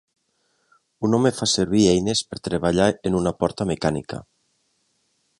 Un home fa servir eines per treballar en una porta mecànica.